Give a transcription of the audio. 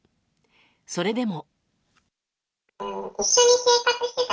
それでも。